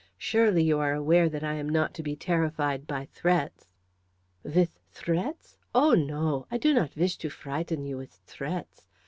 Surely you are aware that I am not to be terrified by threats?" "With threats? Oh, no! I do not wish to frighten you with threats.